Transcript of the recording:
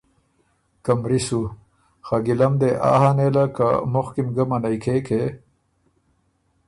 که مری سُو، خه ګیلۀ م دې آ هۀ نېله که مُخکی م ګۀ منعنئ کېکې